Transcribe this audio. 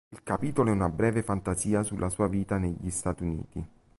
Il capitolo è una breve fantasia sulla sua vita negli Stati Uniti.